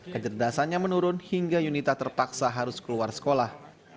kecerdasannya menurun hingga yunita terpaksa harus keluar sekolah